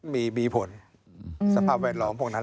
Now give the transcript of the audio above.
มีผลสภาพแวดล้อมพวกนั้น